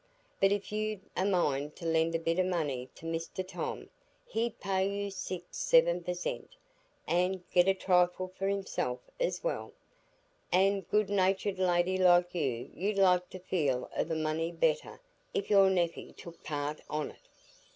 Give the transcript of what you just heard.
But if you'd a mind to lend a bit o' money to Mr Tom, he'd pay you six or seven per zent, an' get a trifle for himself as well; an' a good natur'd lady like you 'ud like the feel o' the money better if your nephey took part on it."